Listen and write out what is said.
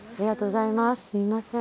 すいません。